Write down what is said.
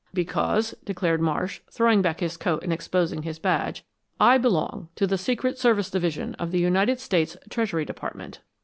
"Because," declared Marsh, throwing back his coat and exposing his badge, "I belong to the Secret Service Division of the United States Treasury Department."